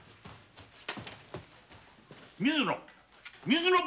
水野！